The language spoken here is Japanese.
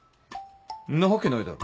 んなわけないだろ。